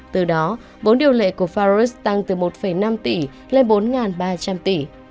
từ đó bốn điều lệ của farus tăng từ một năm tỷ lên bốn ba trăm linh tỷ